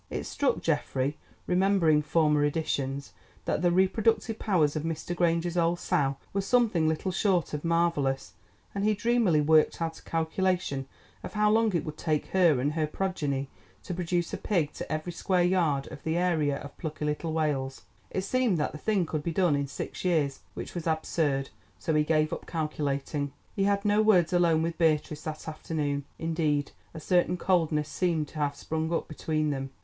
It struck Geoffrey, remembering former editions, that the reproductive powers of Mr. Granger's old sow were something little short of marvellous, and he dreamily worked out a calculation of how long it would take her and her progeny to produce a pig to every square yard of the area of plucky little Wales. It seemed that the thing could be done in six years, which was absurd, so he gave up calculating. He had no words alone with Beatrice that afternoon. Indeed, a certain coldness seemed to have sprung up between them.